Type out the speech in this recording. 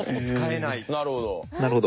なるほど。